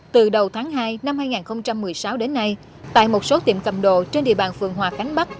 từ đầu tháng hai năm hai nghìn một mươi sáu đến nay tại một số tiệm cầm đồ trên địa bàn phường hòa khánh bắc